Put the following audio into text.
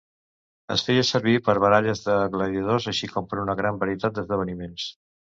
Es feia servir per baralles de gladiadors així com per una gran varietat d'esdeveniments.